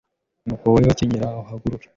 Nuko weho kenyera uhaguruke